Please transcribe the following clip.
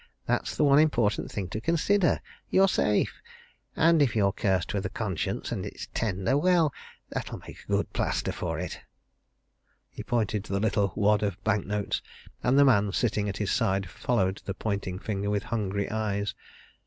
"That's the one important thing to consider. You're safe! And if you're cursed with a conscience and it's tender well, that'll make a good plaister for it!" He pointed to the little wad of bank notes and the man sitting at his side followed the pointing finger with hungry eyes.